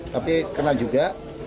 tapi kena juga